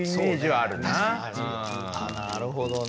あなるほどね。